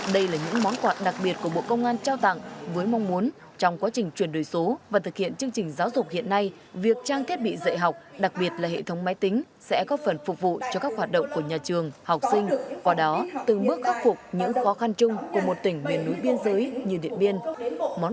đây là những món quà đặc biệt của bộ công an trao tặng với mong muốn trong quá trình chuyển đổi số và thực hiện chương trình giáo dục hiện nay việc trang thiết bị dạy học đặc biệt là hệ thống máy tính sẽ có phần phục vụ cho các hoạt động của nhà trường học sinh qua đó từng bước khắc phục những khó khăn chung của một tỉnh miền núi biên giới như điện biên